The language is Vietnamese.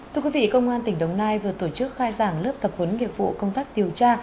thưa quý vị công an tỉnh đồng nai vừa tổ chức khai giảng lớp tập huấn nghiệp vụ công tác điều tra